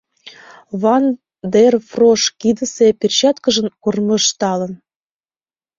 — Ван дер Фрош кидысе перчаткыжым кормыжтылын.